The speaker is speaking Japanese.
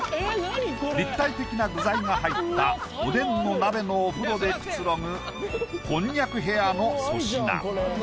立体的な具材が入ったおでんの鍋のお風呂でくつろぐコンニャクヘアの粗品。